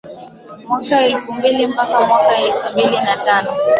Mwaka elfu mbili mpaka mwaka elfu mbili na tano